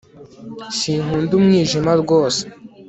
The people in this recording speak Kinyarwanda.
sinkunda umwijima rwose